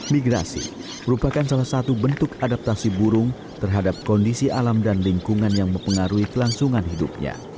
migrasi merupakan salah satu bentuk adaptasi burung terhadap kondisi alam dan lingkungan yang mempengaruhi kelangsungan hidupnya